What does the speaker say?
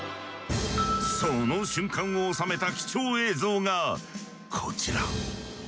その瞬間を収めた貴重映像がコチラ。